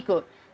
dan juga bisa